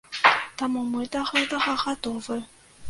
Таму мы да гэтага гатовы.